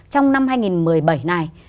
trong năm hai nghìn một mươi bảy này